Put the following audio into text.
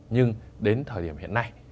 nhưng đến thời điểm hiện nay